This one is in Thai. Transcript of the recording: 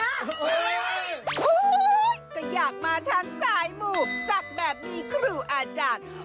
โอ้โหก็อยากมาทางสายหมู่ศักดิ์แบบมีครูอาจารย์